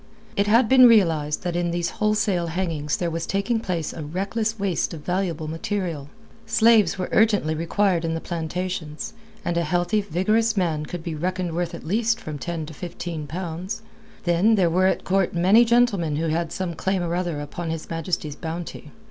It had been realized that in these wholesale hangings there was taking place a reckless waste of valuable material. Slaves were urgently required in the plantations, and a healthy, vigorous man could be reckoned worth at least from ten to fifteen pounds. Then, there were at court many gentlemen who had some claim or other upon His Majesty's bounty.